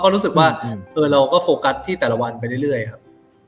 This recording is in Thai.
รู้สึกว่าเราก็โฟกัสที่แต่ละวันไปเรื่อยครับ